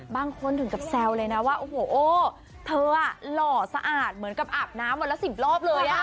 บางคนถึงกับแซวเลยนะว่าโอ้โหโอ้เธอหล่อสะอาดเหมือนกับอาบน้ำวันละ๑๐รอบเลย